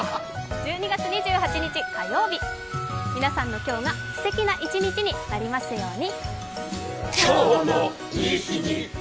１２月２８日火曜日、皆さんの今日がすてきな一日になりますように。